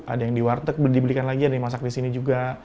ada yang di warteg dibelikan lagi ada yang dimasak di sini juga